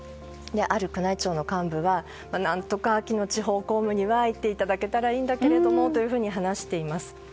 ある宮内庁の幹部は何とか秋の地方公務には行っていただけたらいいんだけれどもと話しています。